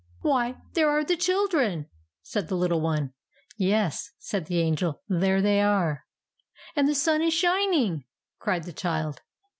"Why, there are the children!" said the little one. "Yes," said the Angel; "there they are." "And the sun is shining!" cried the child.